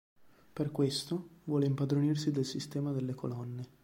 Per questo, vuole impadronirsi del Sistema delle Colonne.